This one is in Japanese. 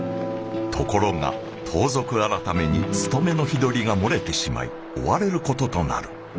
ところが盗賊改に盗めの日取りが漏れてしまい追われる事となる。